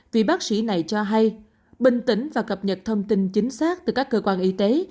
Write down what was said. vì bác sĩ này cho hay bình tĩnh và cập nhật thông tin chính xác từ các cơ quan y tế